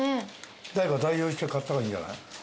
誰か代表して買ったらいいんじゃない？